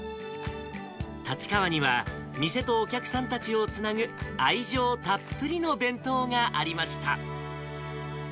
立川には店とお客さんたちをつなぐ愛情たっぷりの弁当がありました。